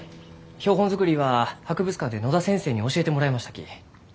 標本作りは博物館で野田先生に教えてもらいましたき。